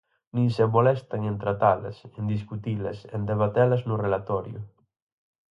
Nin se molestan en tratalas, en discutilas, en debatelas no relatorio.